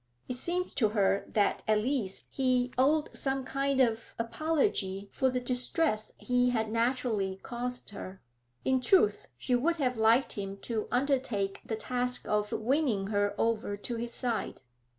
It seemed to her that at least he owed some kind of apology for the distress he had naturally caused her; in truth she would have liked him to undertake the task of winning her over to his side.